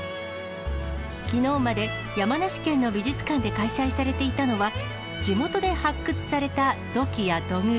きのうまで山梨県の美術館で開催されていたのは、地元で発掘された土器や土偶